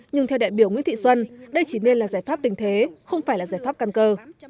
nhưng theo đại biểu nguyễn thị xuân đây chỉ nên là giải pháp tình thế không phải là giải pháp căn cơ